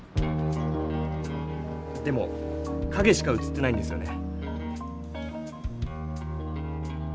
でも影しか写ってないんですよね。